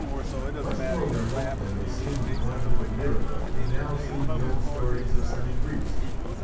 Much more remote than they seemed one little year ago, now seem the old stories of sunny Greece.